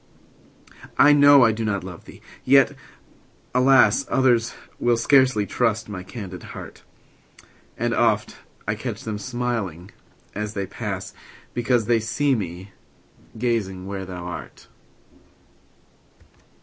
I know I do not love thee! yet, alas! Others will scarcely trust my candid heart; And oft I catch them smiling as they pass, Because they see me gazing where thou art.